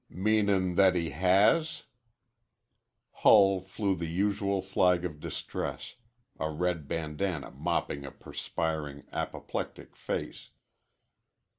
"Meanin' that he has?" Hull flew the usual flag of distress, a red bandanna mopping a perspiring, apoplectic face.